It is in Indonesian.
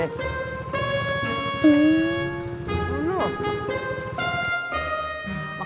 kenapa kagak mau pamer